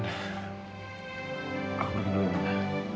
udah aku nunggu dulu